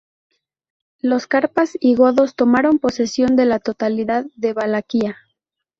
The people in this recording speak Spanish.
Los carpas y godos tomaron posesión de la totalidad de Valaquia.